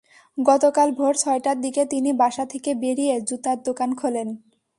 গতকাল ভোর ছয়টার দিকে তিনি বাসা থেকে বেরিয়ে জুতার দোকান খোলেন।